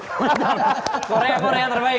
bapak mantap korea korea terbaik